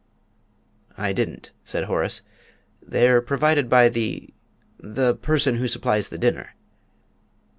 "I didn't," said Horace; "they're provided by the the person who supplies the dinner."